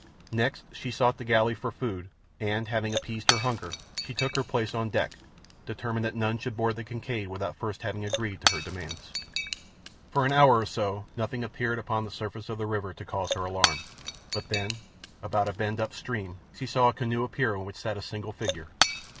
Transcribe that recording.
Next she sought the galley and food, and, having appeased her hunger, she took her place on deck, determined that none should board the Kincaid without first having agreed to her demands. For an hour or so nothing appeared upon the surface of the river to cause her alarm, but then, about a bend up stream, she saw a canoe appear in which sat a single figure.